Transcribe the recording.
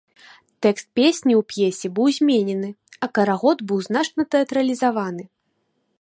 Тэкст песні у п'есе быў зменены, а карагод быў значна тэатралізаваны.